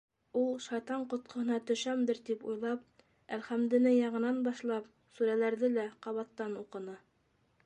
Ул шайтан ҡотҡоһона төшәмдер тип уйлап, әлхәмдене яңынан башлап, сүрәләрҙе лә ҡабаттан уҡыны.